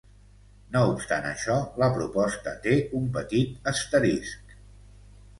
No obstant això, la proposta té un petit asterisc.